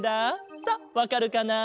さあわかるかな？